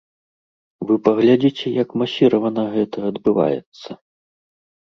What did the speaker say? Вы паглядзіце, як масіравана гэта адбываецца.